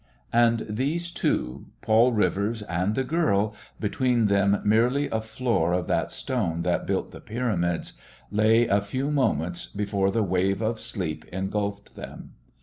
And these two, Paul Rivers and the girl, between them merely a floor of that stone that built the Pyramids, lay a few moments before the Wave of Sleep engulfed them.